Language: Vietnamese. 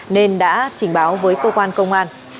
nên đã trình báo với cơ quan công an